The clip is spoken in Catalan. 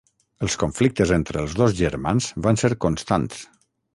Els conflictes entre els dos germans van ser constants.